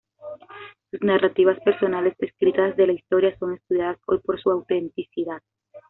Sus narrativas personales escritas de la historia son estudiadas hoy por su autenticidad.